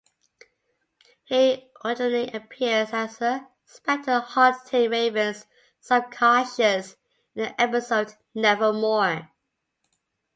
He originally appears as a spectre haunting Raven's subconscious in the episode Nevermore.